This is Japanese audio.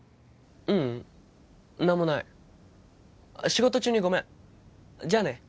ううん何もない仕事中にごめんじゃあね